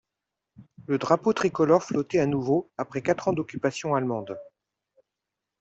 Le drapeau tricolore flottait à nouveau après quatre ans d'occupation allemande.